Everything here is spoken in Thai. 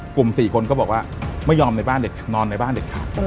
กลุ่ม๔คนก็บอกว่าไม่ยอมนอนในบ้านเด็ดขาด